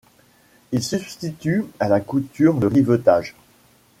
Il substitue à la couture le rivetage.